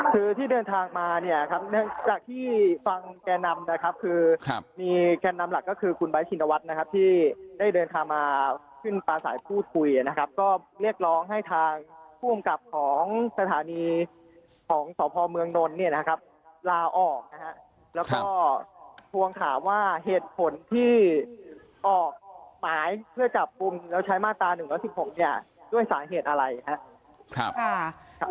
คือที่เดินทางมาเนี่ยครับเนื่องจากที่ฟังแก่นำนะครับคือมีแก่นนำหลักก็คือคุณไบท์ชินวัฒน์นะครับที่ได้เดินทางมาขึ้นปลาสายพูดคุยนะครับก็เรียกร้องให้ทางผู้อำกับของสถานีของสพเมืองนนท์เนี่ยนะครับลาออกนะฮะแล้วก็ทวงถามว่าเหตุผลที่ออกหมายเพื่อจับกลุ่มแล้วใช้มาตรา๑๑๖เนี่ยด้วยสาเหตุอะไรนะครับ